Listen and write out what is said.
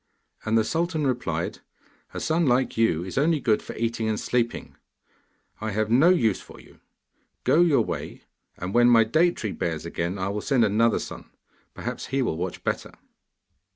And the sultan replied, 'A son like you is only good for eating and sleeping. I have no use for you. Go your way, and when my date tree bears again, I will send another son; perhaps he will watch better.